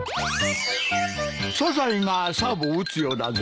サザエがサーブを打つようだぞ。